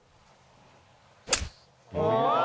お！